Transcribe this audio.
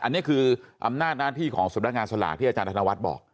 อันนี้คืออำนาจหน้าที่ของสำนักงานสลากที่อาจารย์ธนวัฒน์บอก